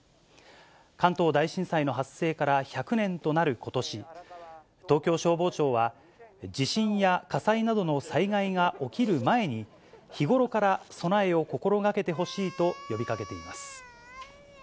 関東大震災の発生から１００年となることし、東京消防庁は、地震や火災などの災害が起きる前に、日頃から備えを心がけてほしいと呼びかけています。